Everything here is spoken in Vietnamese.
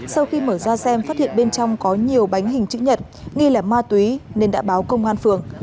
sau khi mở ra xem phát hiện bên trong có nhiều bánh hình chữ nhật nghi là ma túy nên đã báo công an phường